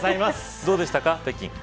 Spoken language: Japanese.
どうでしたか、北京。